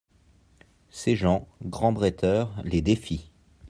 Ses gens, grands bretteurs, les défient.